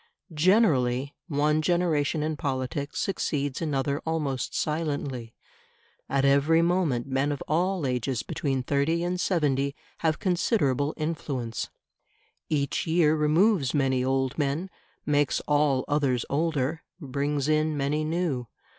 Generally one generation in politics succeeds another almost silently; at every moment men of all ages between thirty and seventy have considerable influence; each year removes many old men, makes all others older, brings in many new.